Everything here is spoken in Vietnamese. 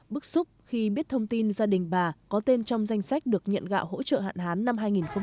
bức xúc khi biết thông tin gia đình bà có tên trong danh sách được nhận gạo hỗ trợ hạn hán năm hai nghìn hai mươi